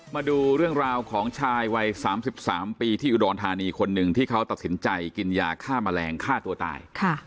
มาดูเรื่องราวของชายวัย๓๓ปีที่อุดรธานีคนหนึ่งที่เขาตัดสินใจกินยาฆ่าแมลงฆ่าตัวตาย